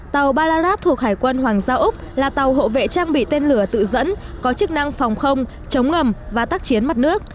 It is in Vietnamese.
tàu balad thuộc hải quân hoàng gia úc là tàu hộ vệ trang bị tên lửa tự dẫn có chức năng phòng không chống ngầm và tác chiến mặt nước